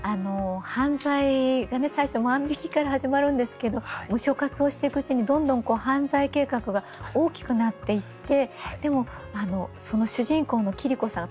犯罪が最初万引きから始まるんですけどムショ活をしていくうちにどんどん犯罪計画が大きくなっていってでも主人公の桐子さん